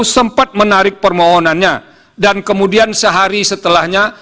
sempat menarik permohonannya dan kemudian sehari setelahnya